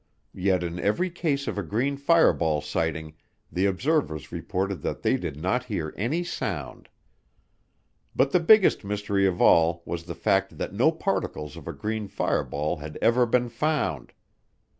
Yet in every case of a green fireball sighting the observers reported that they did not hear any sound. But the biggest mystery of all was the fact that no particles of a green fireball had ever been found.